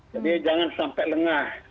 jadi jangan sampai lengah